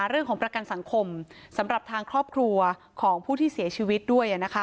เรื่องของประกันสังคมสำหรับทางครอบครัวของผู้ที่เสียชีวิตด้วย